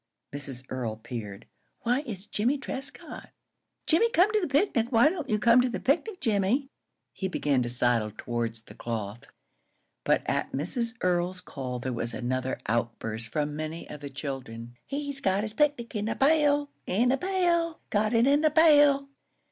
Mrs. Earl peered. "Why, it's Jimmie Trescott! Jimmie, come to the picnic! Why don't you come to the picnic, Jimmie?" He began to sidle towards the cloth. But at Mrs. Earl's call there was another outburst from many of the children. "He's got his picnic in a pail! In a pail! Got it in a pail!"